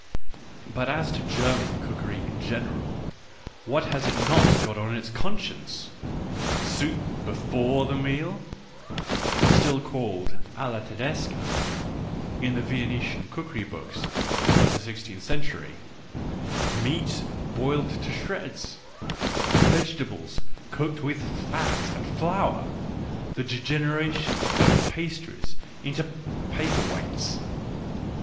But as to German cookery in general — what has it not got on its conscience! Soup before the meal (still called alia tedesca in the Vene tian cookery booljs of the sixteenth century) ; meat boiled to shreds, vegetables cooked with fat and flour; the degeneration of pastries into paper weights